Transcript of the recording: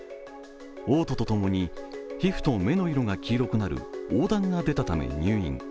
おう吐とともに皮膚と目の色が黄色くなるおうだんが出たため入院。